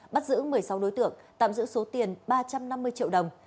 bắt giữ một mươi sáu đối tượng tạm giữ số tiền ba trăm năm mươi triệu đồng